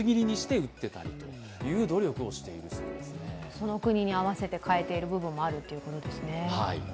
その国に合わせて変えている部分もあるということですね。